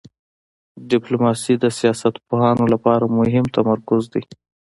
ډیپلوماسي د سیاست پوهانو لپاره مهم تمرکز دی.